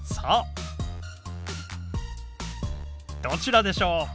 どちらでしょう？